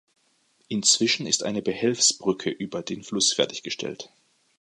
Inzwischen ist eine Behelfsbrücke über den Fluss fertiggestellt.